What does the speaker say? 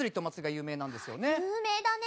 有名だね。